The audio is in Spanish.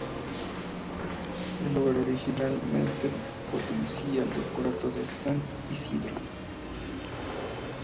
El lugar originalmente pertenecía al curato de San Isidro.